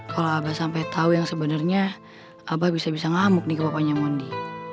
kalau abah sampai tahu yang sebenarnya abah bisa bisa ngamuk nih ke bapaknya mondi